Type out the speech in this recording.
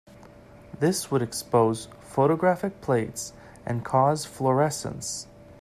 This would expose photographic plates and cause fluorescence.